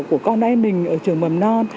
của con em mình ở trường mầm non